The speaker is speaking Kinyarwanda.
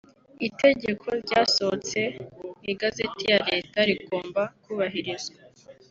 itegeko ryasohotse mu igazeti ya Leta rigomba kubahirizwa